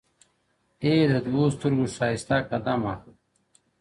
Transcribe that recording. اې د دوو سترگو ښايسته قدم اخله,